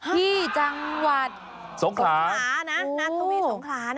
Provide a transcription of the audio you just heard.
ที่จังหวัดนาธวีสงขรานะ